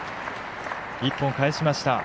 １本返しました。